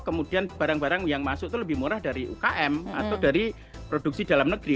kemudian barang barang yang masuk itu lebih murah dari ukm atau dari produksi dalam negeri